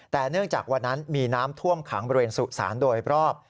แต่เนื่องจากวันนั้นมีน้ำท่วมขังบริเวณสุสานโดยรอบ